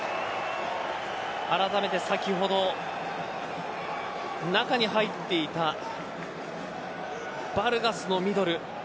あらためて先ほど中に入っていたヴァルガスのミドル。